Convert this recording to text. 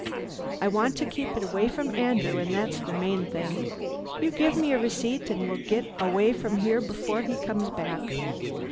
I want to keep it away from Andrew and that's the main thing. You give me a receipt and we'll get away from here before he comes back."